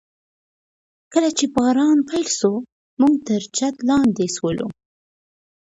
کله چي باران پیل سو، موږ تر چت لاندي سولو.